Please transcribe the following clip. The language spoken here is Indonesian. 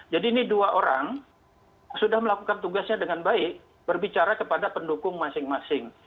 jadi ini dua orang sudah melakukan tugasnya dengan baik berbicara kepada pendukung masing masing